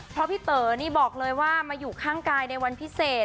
เพราะพี่เต๋อนี่บอกเลยว่ามาอยู่ข้างกายในวันพิเศษ